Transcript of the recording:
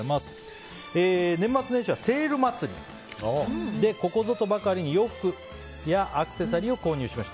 年末年始はセール祭りでここぞとばかりに洋服やアクセサリーを購入しました。